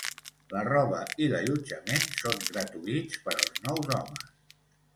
La roba i l'allotjament són gratuïts per als nous homes.